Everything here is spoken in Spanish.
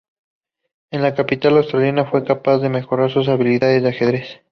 En la capital austriaca, fue capaz de mejorar sus habilidades de ajedrez.